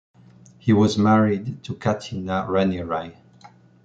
He was married to Katyna Ranieri.